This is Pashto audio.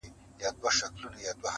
هېره دي وعده د لطافت او د عطا نسي،